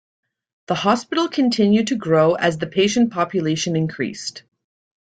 The hospital continued to grow as the patient population increased.